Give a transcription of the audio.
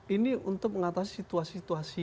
ini untuk mengatasi situasi situasi